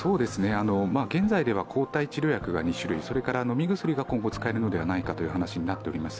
現在では抗体治療薬が２種類、それから飲み薬が今後使えるのではないかという話になっております。